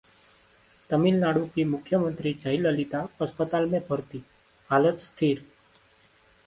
तमिलनाडु की मुख्यमंत्री जयललिता अस्पताल में भर्ती, हालत स्थिर